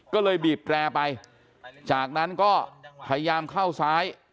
ก็เลยบีบแตรไปจากนั้นก็พยายามเข้าซ้าย